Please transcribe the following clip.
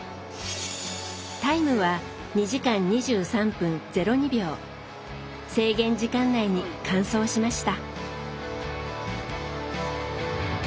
タイムは制限時間内に完走しました。